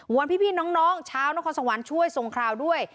พี่น้องชาวนครสวรรค์ช่วยทรงคราวด้วย